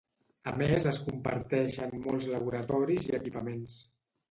A més es comparteixen molts laboratoris i equipaments.